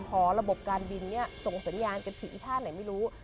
พอระบบการบินส่งสัญญาณกันถึงท่านไหนไม่รู้